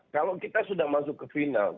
kalau kita sudah masuk ke final